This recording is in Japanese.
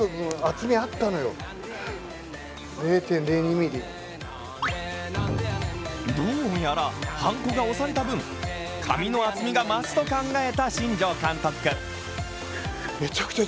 一方どうやら、はんこが押された分、紙の厚みが増すと考えた新庄監督。